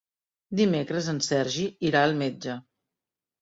Dimecres en Sergi irà al metge.